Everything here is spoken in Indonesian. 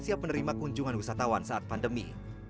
terima kunjungan wisatawan saat pandemi